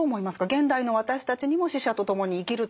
現代の私たちにも死者と共に生きるというのは？